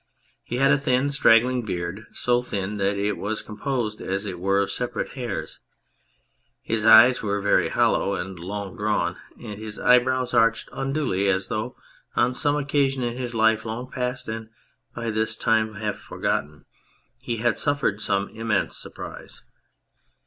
He had a thin, straggling beard, so thin that it was composed, as it were, of separate hairs ; his eyes were very hollow and long drawn, and his eyebrows arched unduly, as though on some occasion in his life long past and by this time half forgotten he had suffered some immense surprise.